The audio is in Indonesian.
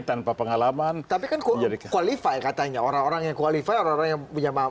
tanpa pengalaman tapi kan kualifikasi katanya orang orang yang kualifikasi orang yang punya